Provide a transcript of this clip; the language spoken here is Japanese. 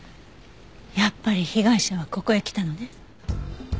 やっぱり被害者はここへ来たのね。